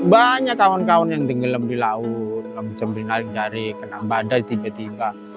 banyak kawan kawan yang tinggal di laut di jempol lalu mencari kenang badai tiba tiba